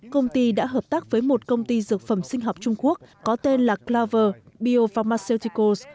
công ty đã hợp tác với một công ty dược phẩm sinh học trung quốc có tên là claver biopharmaceuticos